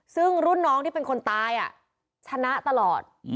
ซึ่งรุ่นน้องที่เป็นคนตายชนะตลอด